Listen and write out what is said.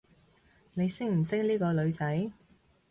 你識唔識呢個女仔？